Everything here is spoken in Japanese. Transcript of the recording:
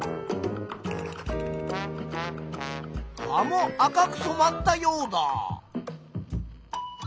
葉も赤くそまったヨウダ。